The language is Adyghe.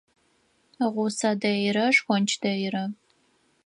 Гъусэ дэйрэ, шхонч дэйрэ.